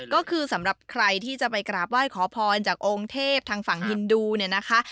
ก็คือสำหรับใครที่จะไปกราบไหว้ขอพรจากองค์เทพทางฝั่งฮินดูเนี่ยนะคะ